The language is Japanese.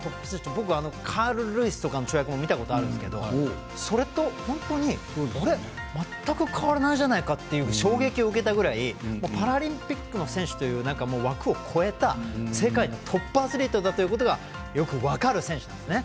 僕、カール・ルイスとかの跳躍見たことあるんですけどそれと全く変わらないじゃないかという衝撃を受けたくらいパラリンピックの選手という枠を超えた世界のトップアスリートだということがよく分かる選手なんですね。